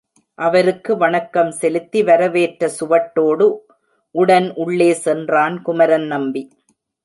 அவருக்கு வணக்கம் செலுத்தி வரவேற்ற சுவட்டோடு உடன் உள்ளே சென்றான் குமரன் நம்பி.